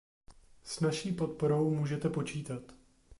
S naší podporou můžete počítat.